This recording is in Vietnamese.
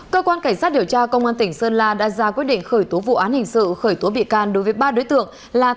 cơ quan cảnh sát điều tra công an tỉnh sơn la đã ra quyết định khởi tố vụ án hình sự khởi tố bị can đối với ba đối tượng là